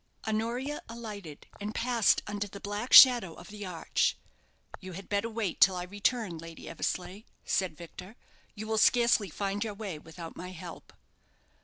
Honoria alighted, and passed under the black shadow of the arch. "You had better wait till I return, Lady Eversleigh," said Victor. "You will scarcely find your way without my help."